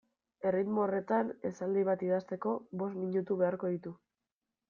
Erritmo horretan esaldi bat idazteko bost minutu beharko ditu.